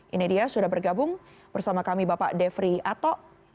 ini dia sudah bergabung bersama kami bapak defri ato